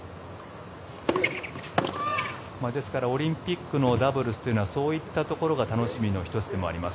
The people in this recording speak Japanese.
ですから、オリンピックのダブルスというのはそういったところが楽しみの１つでもあります。